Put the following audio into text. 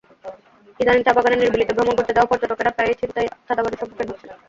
ইদানীং চা-বাগানের নিরিবিলিতে ভ্রমণ করতে যাওয়া পর্যটকেরা প্রায়ই ছিনতাই-চাঁদাবাজির সম্মুখীন হচ্ছেন।